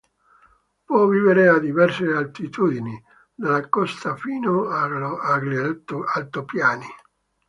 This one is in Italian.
Può vivere a diverse altitudini, dalla costa fino agli altopiani.